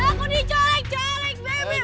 aku dicolek colek bebep